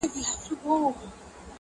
ستا خــوله كــي ټــپه اشــنا~